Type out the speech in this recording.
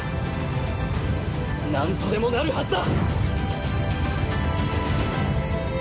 なんとでもなるはずだ！